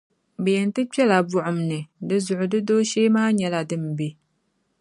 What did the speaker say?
Bɛ yɛn ti kpɛla buɣum ni, dinzuɣu di dooshee maa nyɛla din be.